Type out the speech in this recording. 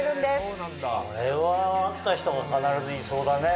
これは合った人が必ずいそうだね。